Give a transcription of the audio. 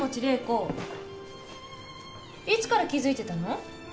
いつから気付いてたの？